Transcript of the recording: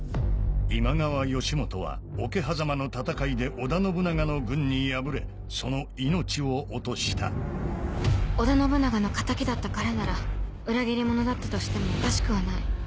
今川義元は桶狭間の戦いで織田信長の軍に敗れその命を落とした織田信長の敵だった彼なら裏切り者だったとしてもおかしくはない